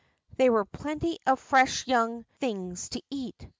'' There were plenty of fresh young things to eat.